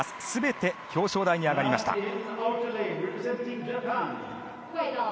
全て表彰台に上がりました。